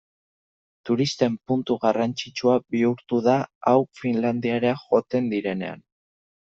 Turisten puntu garrantzitsua bihurtu da hau Finlandiara joaten direnean.